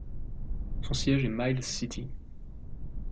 Son siège est Miles City.